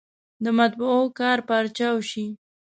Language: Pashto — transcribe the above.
د مطبعو کار پارچاو شي.